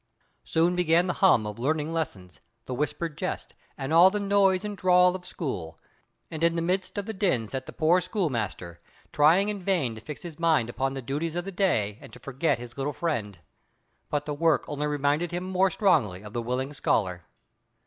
Soon began the hum of learning lessons, the whispered jest, and all the noise and drawl of school; and in the midst of the din sat the poor schoolmaster, trying in vain to fix his mind upon the duties of the day, and to forget his little friend. But the work only reminded him more strongly of the willing scholar.